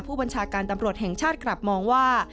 ผู้บัญชาการตำรวจแห่งชาติกลับมองว่า